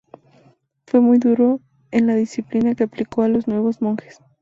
Fue muy duro en la disciplina que aplicó a los nuevos monjes.